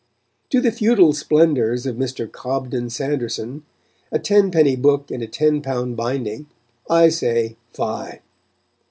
To the feudal splendours of Mr. Cobden Sanderson, a tenpenny book in a ten pound binding, I say fie.